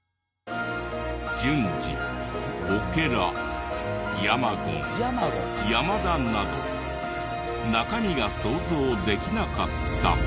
ジュンジオケラヤマゴン山田など中身が想像できなかった。